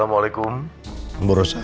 assalamualaikum bu rosa